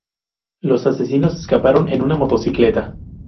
Los asesinos escaparon en una motocicleta.